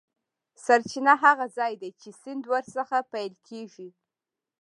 سرچینه هغه ځاي دی چې سیند ور څخه پیل کیږي.